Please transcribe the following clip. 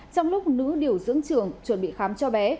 trong lúc nữ điều dưỡng trường chuẩn bị khám cho bé